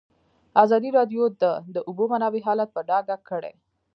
ازادي راډیو د د اوبو منابع حالت په ډاګه کړی.